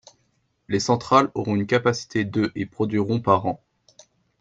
Les centrales auront une capacité de et produiront par an.